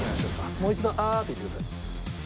もう一度「あー」と言ってください。